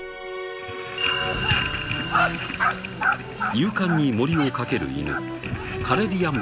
［勇敢に森を駆けるイヌ］